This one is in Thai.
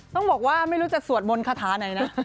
ต้องบอกว่าไม่รู้จะสวดมนต์คาถาไหนนะ